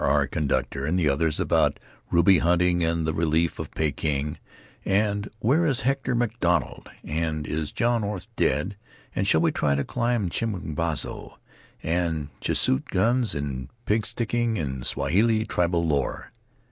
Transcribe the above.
R. conductor and the others about ruby hunting and the Relief of Peking, and Where is Hector Macdonald? and Is John Orth dead? and Shall we try to climb Chimborazo? and Creussot guns and pig sticking and Swahili tribal lore.